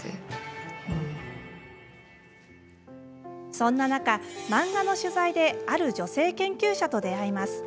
そんな中、漫画の取材である女性研究者と出会います。